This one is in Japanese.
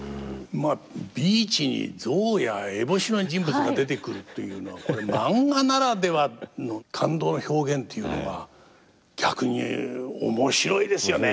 ビーチに象や烏帽子の人物が出てくるというのはこれマンガならではの感動の表現っていうのは逆に面白いですよね。